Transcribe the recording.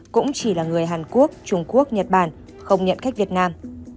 cũng chỉ là người hàn quốc trung quốc nhật bản không nhận khách việt nam